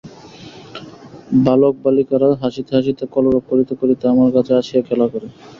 বালকবালিকারা হাসিতে হাসিতে কলরব করিতে করিতে আমার কাছে আসিয়া খেলা করে।